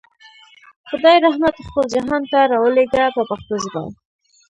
خدای رحمت خپل جهان ته راولېږه په پښتو ژبه.